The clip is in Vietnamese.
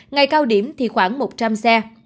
ngày cao điểm thì khoảng một trăm linh xe